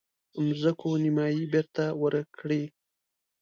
مځکو نیمايي بیرته ورکړي.